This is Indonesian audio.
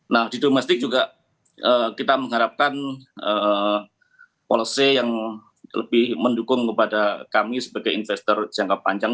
nah di domestik juga kita mengharapkan policy yang lebih mendukung kepada kami sebagai investor jangka panjang